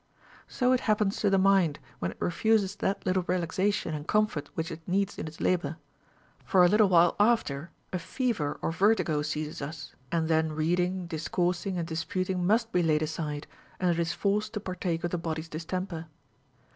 So it happens to the mind, when it refuses that little relaxation and comfort which it needs in its labor ; for a little while after a fever or vertigo seizes us, and then reading, discoursing, and disputing must be laid aside, and it is forced to partake of the body's dis temper.